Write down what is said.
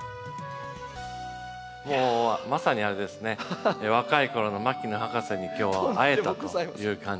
まさにあれですね若いころの牧野博士に今日は会えたという感じです。